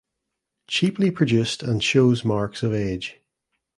Cheaply produced and shows marks of age.